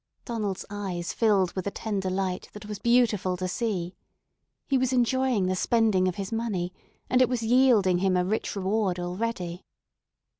Donald's eyes filled with a tender light that was beautiful to see. He was enjoying the spending of his money, and it was yielding him a rich reward already.